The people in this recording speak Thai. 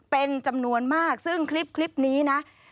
เป็นจำนวนมากซึ่งคลิปนี้นะ